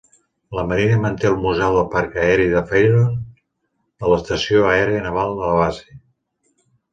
La marina manté el museu del parc aeri de Fallon de l'estació aèria naval a la base.